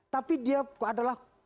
tapi dia adalah